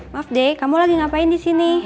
maaf deh kamu lagi ngapain di sini